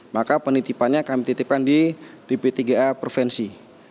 maka penitipannya kami titipkan di dp tiga a provinsi